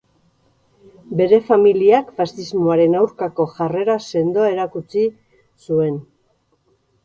Bere familiak faxismoaren aurkako jarrera sendoa erakutsi zuen.